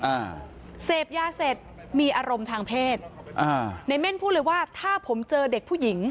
อ่าเสพยาเสร็จมีอารมณ์ทางเพศอ่าในเม่นพูดเลยว่าถ้าผมเจอเด็กผู้หญิง